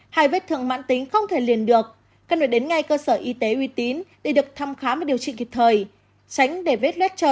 hay vết thương mãn tính không thể liền được cần được đến ngay cơ sở y tế uy tín để được thăm khám và điều trị kịp thời